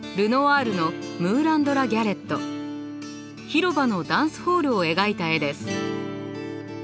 広場のダンスホールを描いた絵です。